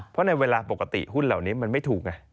เพราะในเวลาปกติหุ้นเหล่านี้มันไม่ถูกไง